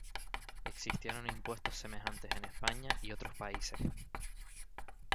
Existieron impuestos semejantes en España y otros países.